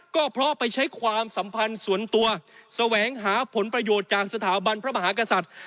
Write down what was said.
ก็เพราะไปใช้ความสัมพันธ์ส่วนตัวแสวงหาผลประโยชน์จากสถาบันพระมหากษัตริย์